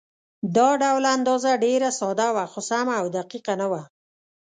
دا ډول اندازه ډېره ساده وه، خو سمه او دقیقه نه وه.